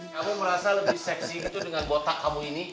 kamu merasa lebih seksi gitu dengan botak kamu ini